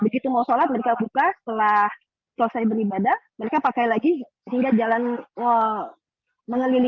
begitu mau sholat mereka buka setelah selesai beribadah mereka pakai lagi hingga jalan mengelilingi